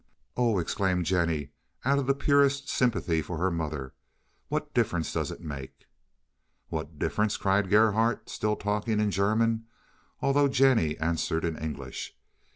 "Oh," exclaimed Jennie, out of the purest sympathy for her mother, "what difference does it make?" "What difference?" cried Gerhardt, still talking in German, although Jennie answered in English.